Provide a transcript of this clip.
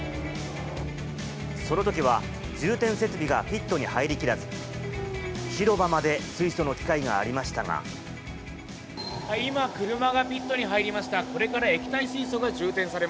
そのときは充填設備がピットに入りきらず、広場まで水素の機械が今、車がピットに入りました。